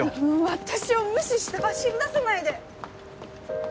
私を無視して走りださないで。